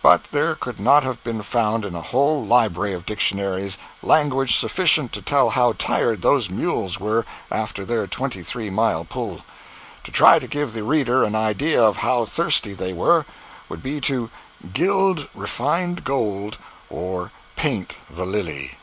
But there could not have been found in a whole library of dictionaries language sufficient to tell how tired those mules were after their twenty three mile pull. To try to give the reader an idea of how thirsty they were, would be to "gild refined gold or paint the lily."